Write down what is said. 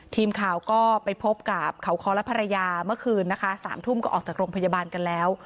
ทีมข่าวก็ไปพบกับเขาคอและภรรยาเมื่อคืนนะคะสามทุ่มก็ออกจากโรงพยาบาลกันแล้ว